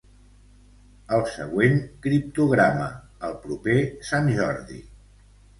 El següent criptograma, el proper sant Jordi.